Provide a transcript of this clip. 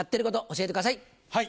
教えてください。